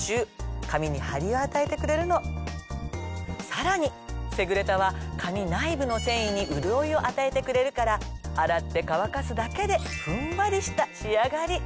さらにセグレタは髪内部の繊維に潤いを与えてくれるから洗って乾かすだけでふんわりした仕上がり！